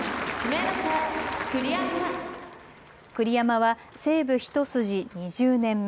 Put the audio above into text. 栗山は西武一筋２０年目。